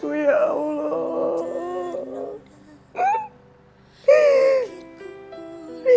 mendungi elsa anakku